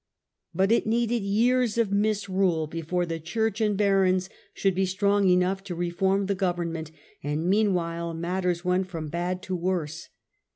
But it needed years of misrule before the church and barons should be strong enough to reform the government, and meanwhile matters went from bad to worse.